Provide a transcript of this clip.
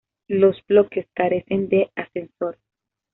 Los bloques carecen de ascensor.